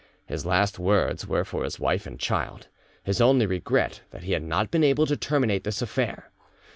His last words were for his wife and child; his only regret that he had not been able to terminate this affair.